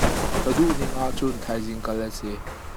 Ka duh ning ahcun thaizing kal a si.